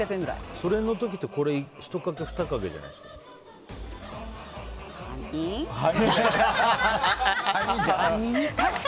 その時って、これ１かけ２かけじゃないですか。